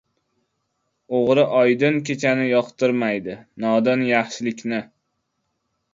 • O‘g‘ri oydin kechani yoqtirmaydi, nodon ― yaxshilikni.